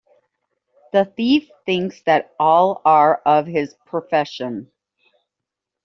The thief thinks that all are of his profession.